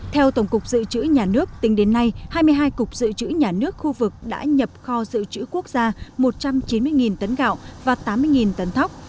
theo tổng cục dự trữ nhà nước tính đến nay hai mươi hai cục dự trữ nhà nước khu vực đã nhập kho dự trữ quốc gia một trăm chín mươi tấn gạo và tám mươi tấn thóc